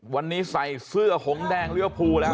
วันนี้ใส่เสื้อของแดงเรื้อพูแล้ว